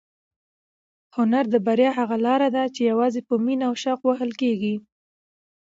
هنر د بریا هغه لاره ده چې یوازې په مینه او شوق وهل کېږي.